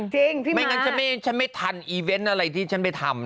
จริงไม่งั้นฉันไม่ทันอีเวนต์อะไรที่ฉันไปทำ